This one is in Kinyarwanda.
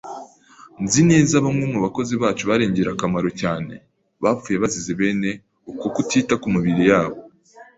Nzi neza bamwe mu bakozi bacu bari ingirakamaro cyane bapfuye bazize bene uko kutita ku mibiri yabo